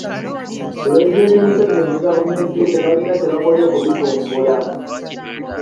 Pulezidenti Museveni ne gavumenti ye tebalina kye bakoze ku bitumbula.